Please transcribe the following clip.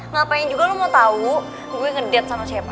ngapain juga lo mau tau gue nged sama siapa